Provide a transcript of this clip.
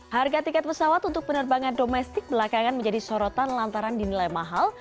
harga tiket pesawat untuk penerbangan domestik belakangan menjadi sorotan lantaran dinilai mahal